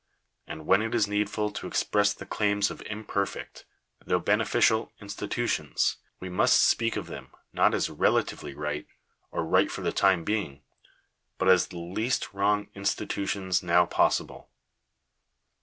And when it is needful to express the claims of imperfect, though be neficial, institutions, we must speak of them, not as "relatively right," or " right for the time being," but as the least wrong institutions now possible.